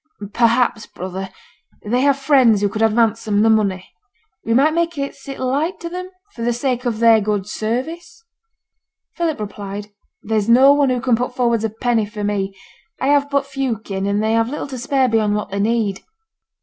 'Perhaps, brother, they have friends who could advance 'em the money. We might make it sit light to them, for the sake of their good service?' Philip replied, 'There's no one who can put forwards a penny for me: I have but few kin, and they have little to spare beyond what they need.'